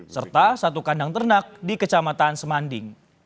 serta satu kandang ternak di kecamatan semanding